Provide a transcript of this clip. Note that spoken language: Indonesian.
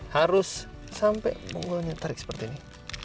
harus sampai pukulnya tarik seperti ini